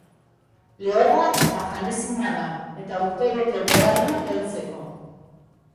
Lehorra eta janezina da, eta urtebete behar du heltzeko.